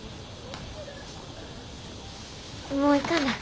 もう行かな。